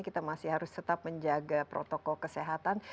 kita masih harus tetap menjaga protokol kesehatan